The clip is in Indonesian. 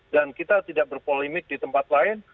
dan kita tidak berpolemik di tempat lain